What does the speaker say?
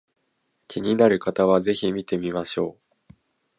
気になる方は是非見てみましょう